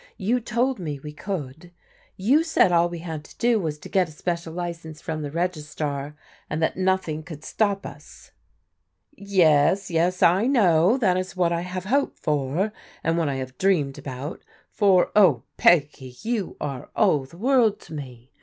You told me we could. You said all we had to do was to get a special license from the Registrar, and that nothing could stop us." " Yes, yes, I know, that is what I have hoped for, and I have dreamed about, lot o\v, "Pe.^^ , '^om are all ELEANOR SECURES A POSITION 161 the world to me.